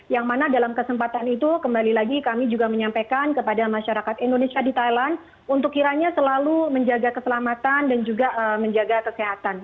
yang mana dalam kesempatan itu kembali lagi kami juga menyampaikan kepada masyarakat indonesia di thailand untuk kiranya selalu menjaga keselamatan dan juga menjaga kesehatan